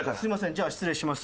じゃあ失礼します。